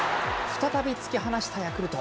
再び突き放したヤクルト。